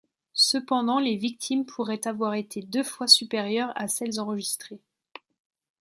Cependant les victimes pourraient avoir été deux fois supérieures à celles enregistrées.